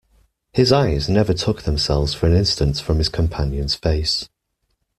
His eyes never took themselves for an instant from his companion's face.